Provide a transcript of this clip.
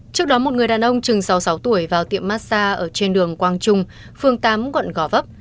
trước đó một người đàn ông chừng sáu mươi sáu tuổi vào tiệm massage ở trên đường quang trung phường tám quận gò vấp